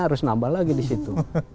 harus nambah lagi disitu